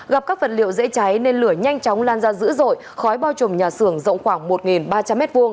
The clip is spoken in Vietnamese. gặp các vật liệu dễ cháy nên lửa nhanh chóng lan ra dữ dội khói bao trùm nhà xưởng rộng khoảng một ba trăm linh m hai